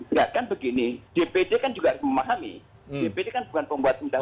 ya kan begini dpd kan juga harus memahami dpd kan bukan pembuat undang undang